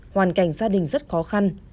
hoàn cảnh gia đình rất khó khăn